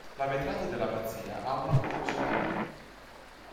La vetrata dell'abbazia ha una curiosità.